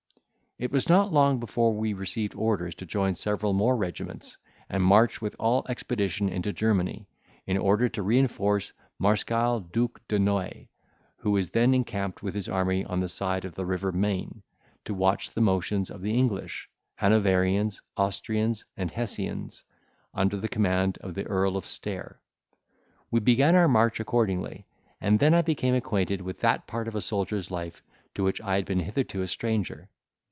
It was not long before we received orders to join several more regiments, and march with all expedition into Germany, in order to reinforce Mareschal Duc de Noailles, who was then encamped with his army on the side of the river Mayne, to watch the motions of the English, Hanoverians, Austrians, and Hessians, under the command of the Earl of Stair. We began our march accordingly, and then I became acquainted with that part of a soldier's life to which I had been hitherto a stranger.